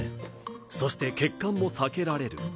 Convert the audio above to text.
そして血管も避けられる。